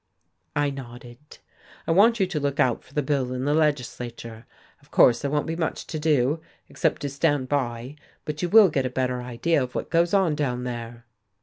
I nodded. "I want you to look out for the bill in the legislature. Of course there won't be much to do, except to stand by, but you will get a better idea of what goes on down there."